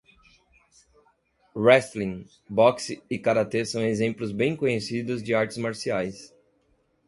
Wrestling, boxe e karatê são exemplos bem conhecidos de artes marciais.